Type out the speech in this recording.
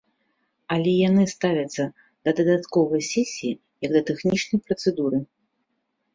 Але яны ставяцца да дадатковай сесіі як да тэхнічнай працэдуры.